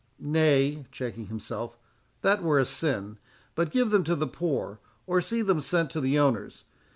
Nay," checking himself, "that were a sin; but give them to the poor, or see them sent to the owners.